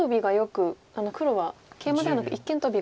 黒はケイマではなく一間トビが多いですが。